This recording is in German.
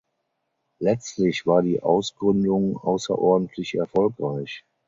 Letztlich war die Ausgründung außerordentlich erfolgreich.